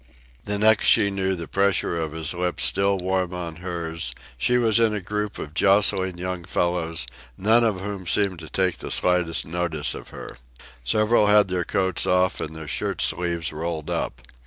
The next she knew, the pressure of his lips yet warm on hers, she was in a group of jostling young fellows, none of whom seemed to take the slightest notice of her. Several had their coats off and their shirt sleeves rolled up.